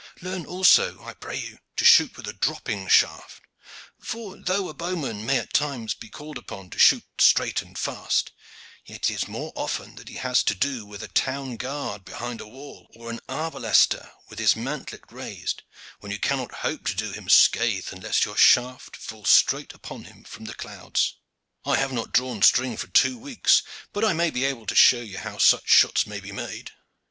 Learn also, I pray you, to shoot with a dropping shaft; for though a bowman may at times be called upon to shoot straight and fast, yet it is more often that he has to do with a town guard behind a wall, or an arbalestier with his mantlet raised when you cannot hope to do him scathe unless your shaft fall straight upon him from the clouds. I have not drawn string for two weeks, but I may be able to show ye how such shots should be made."